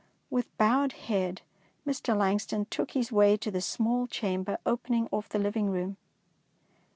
With bowed head Mr. Langston took his way to the small chamber opening off the living room.